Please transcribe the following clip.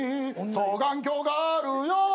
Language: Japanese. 「双眼鏡があるよ」